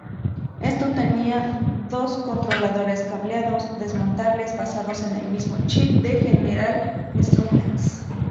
Esto tenía dos controladores cableados desmontables, basados en el mismo chip de General Instruments.